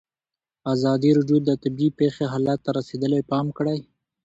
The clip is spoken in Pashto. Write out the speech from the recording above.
ازادي راډیو د طبیعي پېښې حالت ته رسېدلي پام کړی.